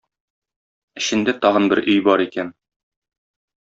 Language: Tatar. Эчендә тагын бер өй бар икән.